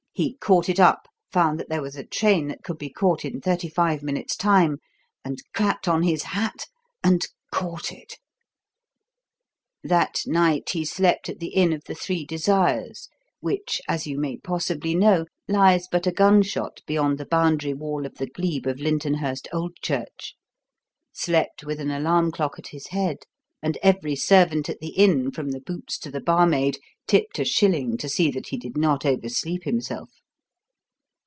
He caught it up, found that there was a train that could be caught in thirty five minutes' time, and clapped on his hat and caught it. That night he slept at the inn of the Three Desires which, as you may possibly know, lies but a gunshot beyond the boundary wall of the glebe of Lyntonhurst Old Church slept with an alarm clock at his head and every servant at the inn from the boots to the barmaid tipped a shilling to see that he did not oversleep himself.